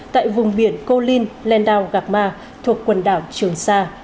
tại vùng biển cô linh lên đào gạc ma thuộc quần đảo trường sa